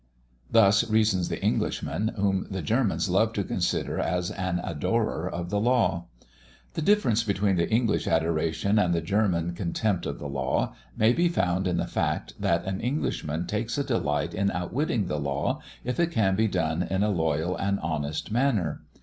Thus reasons the Englishman, whom the Germans love to consider as an adorer of the law. The difference between the English adoration and the German contempt of the law, may be found in the fact, that an Englishman takes a delight in outwitting the law, if it can be done in a loyal and honest manner.